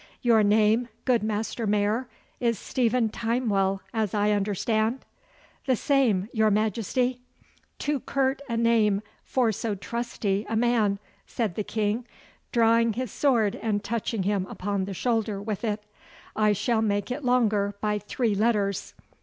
Your name, good Master Mayor, is Stephen Timewell, as I understand?' 'The same, your Majesty.' 'Too curt a name for so trusty a man,' said the King, drawing his sword and touching him upon the shoulder with it. 'I shall make it longer by three letters.